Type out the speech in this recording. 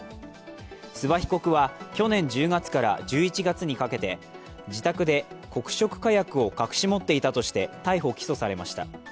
諏訪被告は去年１０月から１１月にかけて自宅で黒色火薬を隠し持っていたとして逮捕・起訴されました。